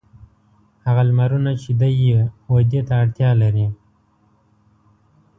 هغه لمرونه چې دی یې ودې ته اړتیا لري.